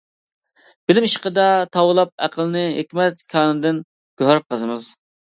بىلىم ئىشقىدا تاۋلاپ ئەقىلنى، ھېكمەت كانىدىن گۆھەر قازىمىز.